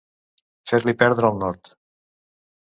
Fer-li perdre el nord.